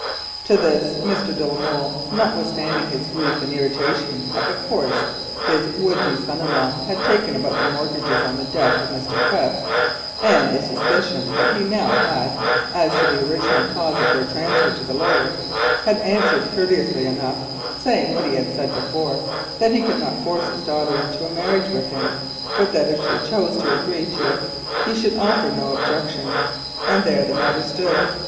To this Mr. de la Molle had answered courteously enough, notwithstanding his grief and irritation at the course his would be son in law had taken about the mortgages on the death of Mr. Quest, and the suspicion (it was nothing more) that he now had as to the original cause of their transfer to the lawyer. He said what he had said before, that he could not force his daughter into a marriage with him, but that if she chose to agree to it he should offer no objection. And there the matter stood.